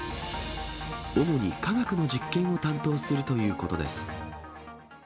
主に科学の実験を担当するということです。